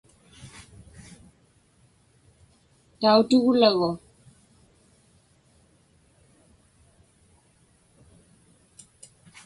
Tautuglagu